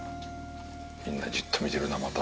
みんな、じっと見てるなぁ、また。